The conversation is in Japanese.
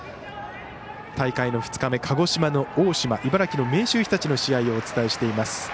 大会の２日目、鹿児島の大島茨城、明秀日立の試合をお伝えしています。